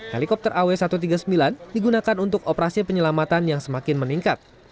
helikopter aw satu ratus tiga puluh sembilan digunakan untuk operasi penyelamatan yang semakin meningkat